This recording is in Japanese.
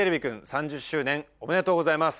３０周年おめでとうございます！